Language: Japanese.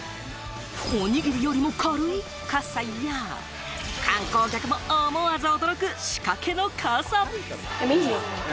おにぎりよりも軽い傘や、観光客も思わず驚く仕掛けの傘。